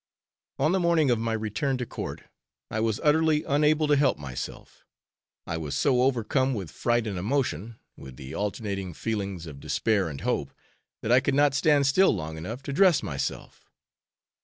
On the morning of my return to Court, I was utterly unable to help myself. I was so overcome with fright and emotion, with the alternating feelings of despair and hope that I could not stand still long enough to dress myself.